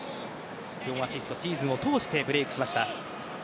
４アシスト、シーズンを通してブレークしました。